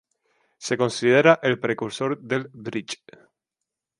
Se considera el precursor del bridge.